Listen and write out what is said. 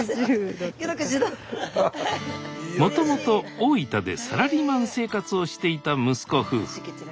もともと大分でサラリーマン生活をしていた息子夫婦。